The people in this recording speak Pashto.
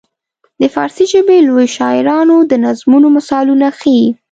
د فارسي ژبې لویو شاعرانو د نظمونو مثالونه ښيي.